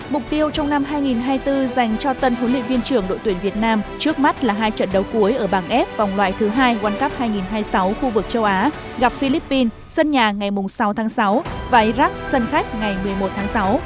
mục tiêu trong năm hai nghìn hai mươi bốn dành cho tân huấn luyện viên trưởng đội tuyển việt nam trước mắt là hai trận đấu cuối ở bảng f vòng loại thứ hai world cup hai nghìn hai mươi sáu khu vực châu á gặp philippines sân nhà ngày sáu tháng sáu và iraq sân khách ngày một mươi một tháng sáu